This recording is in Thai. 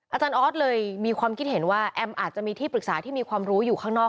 อาจารย์ออสเลยมีความคิดเห็นว่าแอมอาจจะมีที่ปรึกษาที่มีความรู้อยู่ข้างนอก